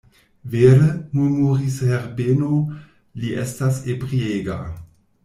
Vere, murmuris Herbeno, li estas ebriega.